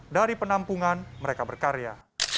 dari penampungan mereka berkarya